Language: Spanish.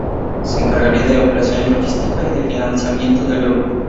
Se encargaría de operaciones logística y de financiamiento del grupo.